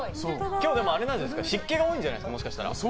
今日、湿気が多いんじゃないですか。